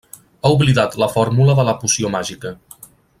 Ha oblidat la fórmula de la poció màgica.